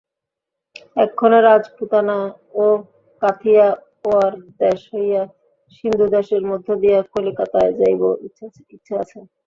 এক্ষণে রাজপুতানা ও কাথিয়াওয়াড় দেশ হইয়া সিন্ধুদেশের মধ্য দিয়া কলিকাতায় যাইব, ইচ্ছা আছে।